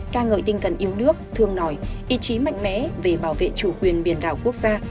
ca ngợi tinh thần yêu nước thương nòi ý chí mạnh mẽ về bảo vệ chủ quyền biển đảo quốc gia